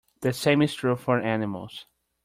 The same is true for animals.